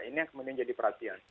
ini yang kemudian jadi perhatian